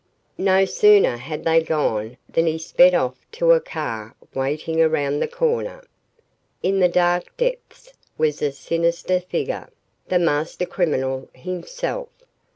No sooner had they gone than he sped off to a car waiting around the corner. In the dark depths was a sinister figure, the master criminal himself.